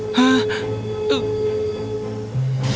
aku kuat dan aku punya tongkat